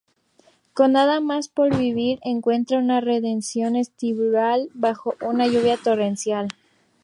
Con nada más por vivir, encuentra una redención espiritual bajo una lluvia torrencial.